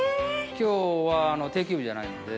今日は定休日じゃないので。